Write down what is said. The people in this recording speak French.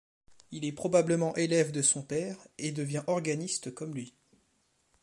Il est probablement élève de son père, et devient organiste comme lui.